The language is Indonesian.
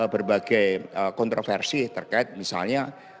berbagai kontroversi terkait misalnya